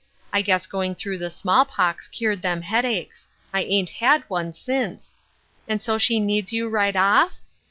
I guess going through the small pox cured them headaches. I ain't had one since. And so she needs you right off?